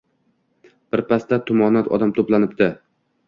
Birpasda tumonat odam to‘planibdi.